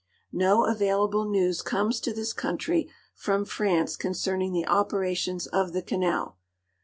No available news comes to this country from France concern ing the operations of the canal.